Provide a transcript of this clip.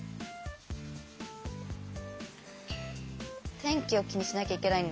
天気を気にしなきゃいけないんだ。